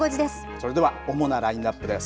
それでは主なラインアップです。